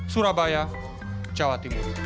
surabaya jawa timur